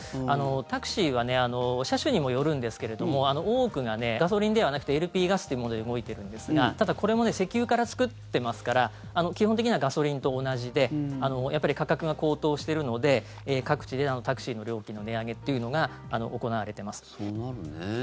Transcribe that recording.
タクシーは車種にもよるんですけれども多くがガソリンではなくてＬＰガスというもので動いているんですがただ、これも石油から作ってますから基本的にはガソリンと同じで価格が高騰しているので各地でタクシーの料金の値上げというのが行われています。